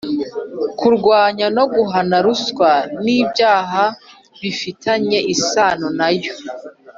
kurwanya no guhana ruswa n'ibyaha bifitanye isano na yo.